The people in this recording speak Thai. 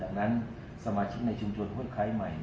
ดังนั้นสมาชิกในชุมชนห้วยไคร้ใหม่